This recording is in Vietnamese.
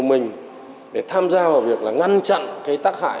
đặc biệt là họ có thể tham gia vào việc ngăn chặn tác hại do rượu bia mang lại